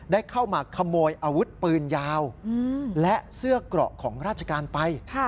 ได้เข้ามาขโมยอาวุธปืนยาวและเสื้อเกราะของราชการไป